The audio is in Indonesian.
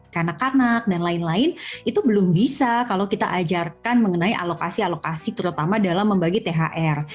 kanak kanak dan lain lain itu belum bisa kalau kita ajarkan mengenai alokasi alokasi terutama dalam membagi thr